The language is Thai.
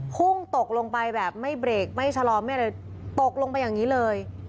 พุ่งตกลงไปแบบไม่เบรกไม่ชะลอไม่อะไรตกลงไปอย่างนี้เลย